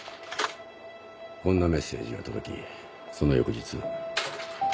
こんなメッセージが届きその翌日。